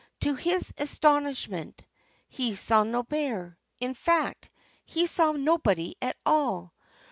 To his astonishment he saw no bear. In fact he saw nobody at all.